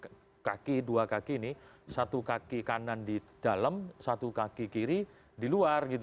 satu kaki dua kaki ini satu kaki kanan di dalam satu kaki kiri di luar gitu